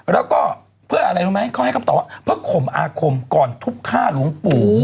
แล้วก็เพื่ออะไรรู้ไหมเขาให้คำตอบว่าเพื่อข่มอาคมก่อนทุบฆ่าหลวงปู่